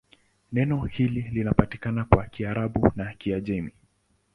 Neno hili linapatikana kwa Kiarabu na Kiajemi.